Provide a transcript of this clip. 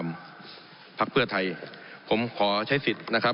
ผมอภิปรายเรื่องการขยายสมภาษณ์รถไฟฟ้าสายสีเขียวนะครับ